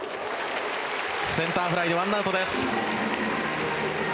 センターフライで１アウトです。